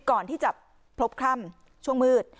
ก่อนที่จะพบคล่ำช่วงมืด